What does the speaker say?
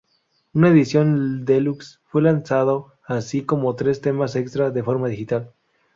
Una edición deluxe fue lanzado, así como tres temas extra, de forma digital.